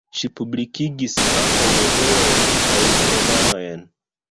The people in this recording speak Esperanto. Ŝi publikigis ankaŭ novelojn, kaj romanojn.